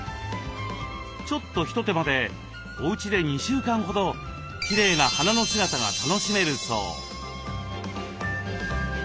ちょっと一手間でおうちで２週間ほどきれいな花の姿が楽しめるそう。